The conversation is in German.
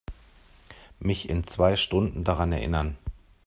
Mich in zwei Stunden daran erinnern.